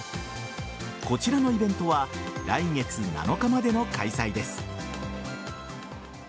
こちらのイベントは来月７日までの開催です。